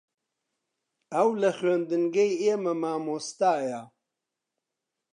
ئەو لە خوێندنگەی ئێمە مامۆستایە.